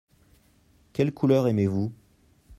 Quelle couleur aimez-vous ?